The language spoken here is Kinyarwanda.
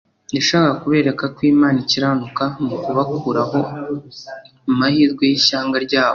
Yashakaga kubereka ko Imana ikiranuka mu kubakuraho amahirwe y’ishyanga ryabo,